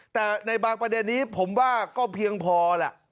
แต่ในบางประเด็นนี้ผมว่าก็เพียงพอแหละ